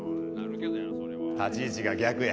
立ち位置が逆や。